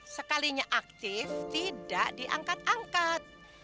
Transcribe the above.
sekalinya aktif tidak diangkat angkat